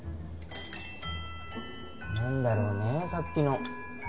何だろうねさっきの。